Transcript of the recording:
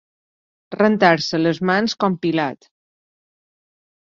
Rentar-se les mans com Pilat.